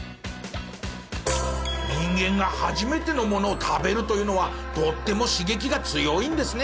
人間が初めてのものを食べるというのはとっても刺激が強いんですね。